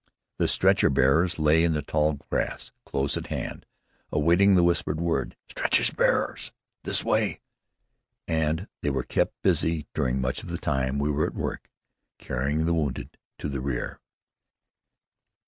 The stretcher bearers lay in the tall grass close at hand awaiting the whispered word, "Stretcher bearers this way!" and they were kept busy during much of the time we were at work, carrying the wounded to the rear.